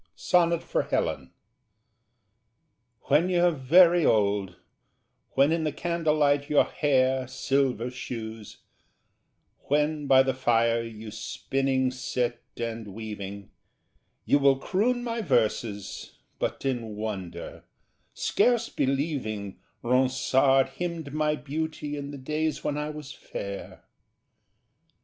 Sonnet for Helen When you're very old, when in the candlelight your hair Silver shews when by the fire you spinning sit and weaving, You will croon my verses, but in wonder, scarce believing 'Ronsard hymned my beauty in the days when I was fair.'